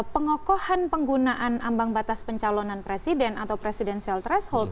pengokohan penggunaan ambang batas pencalonan presiden atau presidensial threshold